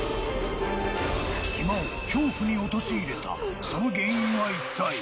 島を恐怖に陥れたその原因は一体。